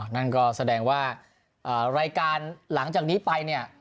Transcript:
นั่นก็แสดงว่ารายการหลังจากนี้ไปเนี่ย